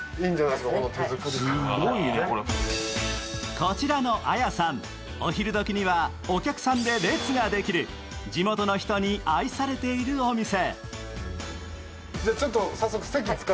こちらの彩さん、お昼どきにはお客さんで列ができる地元の人に愛されているお店。